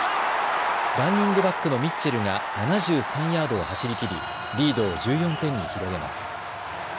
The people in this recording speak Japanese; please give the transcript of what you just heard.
ランニングバックのミッチェルが７３ヤードを走りきりリードを１４点に広げます。